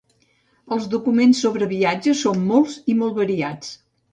Els documents sobre viatges són molts i molt variats.